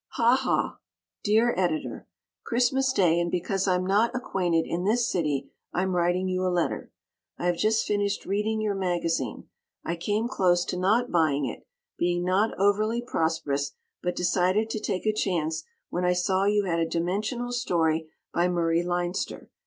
Ha ha! Dear Editor: Christmas day, and because I'm not acquainted in this city I'm writing you a letter. I have just finished reading your magazine. I came close to not buying it, being not overly prosperous, but decided to take a chance when I saw you had a dimensional story by Murray Leinster.